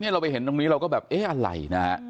เราไปเห็นตรงนี้เราก็แบบเอ๊ะอะไรนะฮะ